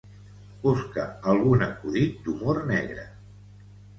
Busca algun acudit d'humor negre.